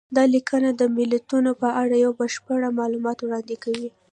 دا لیکنه د متلونو په اړه یو بشپړ معلومات وړاندې کوي